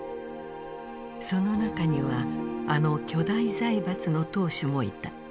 その中にはあの巨大財閥の当主もいた。